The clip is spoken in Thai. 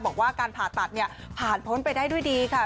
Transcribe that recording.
บอกว่าการผ่าตัดเนี่ยผ่านพ้นไปได้ด้วยดีค่ะ